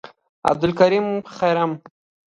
عبدالکریم خرم،